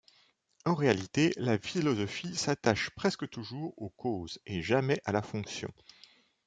En réalité, la philosophie s'attache presque toujours aux causes et jamais à la fonction.